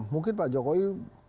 mungkin pak jokowi